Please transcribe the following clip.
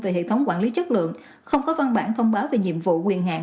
về hệ thống quản lý chất lượng không có văn bản thông báo về nhiệm vụ quyền hạn